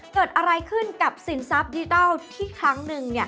เกิดอะไรขึ้นกับสินทรัพย์ดิจิทัลที่ครั้งหนึ่งเนี่ย